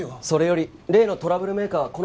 それより例のトラブルメーカー